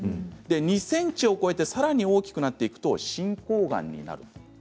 ２ｃｍを超えてさらに大きくなっていくと進行がんになります。